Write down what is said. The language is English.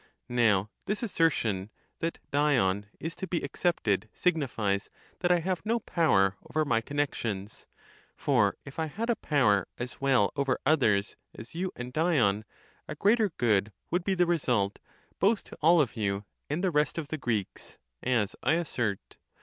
Now this assertion, that Dion is to be excepted, signifies that I have no power over my con nexions. For if I had a power, as well over others as you and Dion, a greater good would be the result both to all of you and the rest of the Greeks, as I assert.